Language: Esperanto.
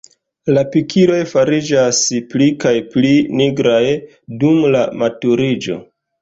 La pikiloj fariĝas pli kaj pli nigraj dum la maturiĝo.